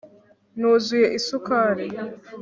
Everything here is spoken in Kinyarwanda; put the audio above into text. nuzuye isukari